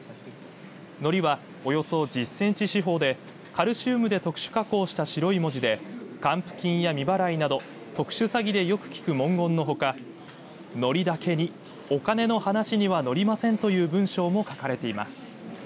のりはおよそ１０センチ四方でカルシウムで特殊加工した白い文字で還付金や未払いなど特殊詐欺でよく聞く文言のほか海苔だけにお金の話にはノリません！という文章も書かれています。